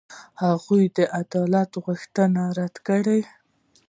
هغوی د عدالت غوښتنه رد کړه.